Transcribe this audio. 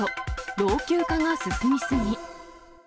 老朽化が進み過ぎ。